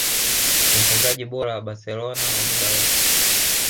Ni mfungaji bora wa Barcelona wa muda wote